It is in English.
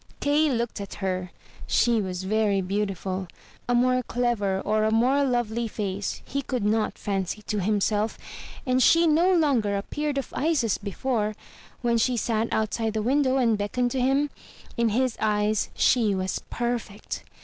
Kay looked at her. She was very beautiful; a more clever or a more lovely face he could not fancy to himself; and she no longer appeared of ice as before, when she sat outside the window, and beckoned to him; in his eyes she was perfect.